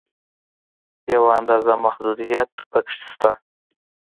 یوه اندازه محدودیت په کې شته.